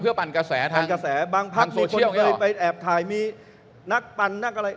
เพื่อปั่นกระแสทั้งโซเชียลไงหรอปั่นกระแสบางพักมีคนไปแอบถ่ายมีนักปั่นนักอะไร